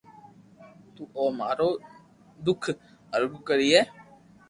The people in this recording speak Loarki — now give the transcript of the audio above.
تو او مارو دوک ارگا ڪرئي